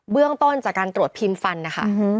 เรื่องต้นจากการตรวจพิมพ์ฟันนะคะ